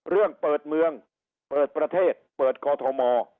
เรื่องเปิดเมืองเปิดประเทศเปิดกอทม